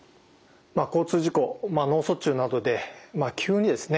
交通事故脳卒中などで急にですね